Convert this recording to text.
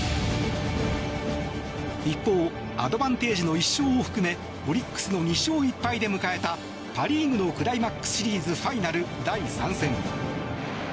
一方アドバンテージの１勝を含めオリックスの２勝１敗で迎えたパ・リーグのクライマックスシリーズファイナル第３戦。